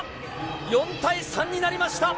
４対３になりました。